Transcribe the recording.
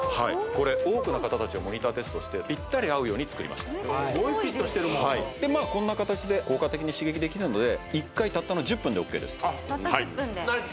これ多くの方達をモニターテストしてぴったり合うように作りましたすごいフィットしてるもんはいでまあこんな形で効果的に刺激できるので１回たったの１０分でＯＫです